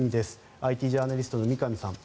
ＩＴジャーナリストの三上さん